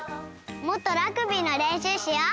もっとラグビーのれんしゅうしよう！